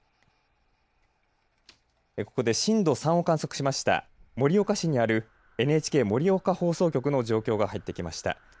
ここで震度３を観測しました盛岡市にあるＮＨＫ盛岡放送局の状況が入ってきました。